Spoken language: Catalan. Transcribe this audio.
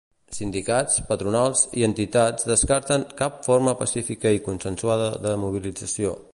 Sindicats, patronals i entitats descarten "cap forma pacífica i consensuada de mobilització".